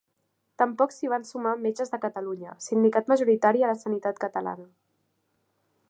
Tampoc s'hi van sumar Metges de Catalunya, sindicat majoritari a la sanitat catalana.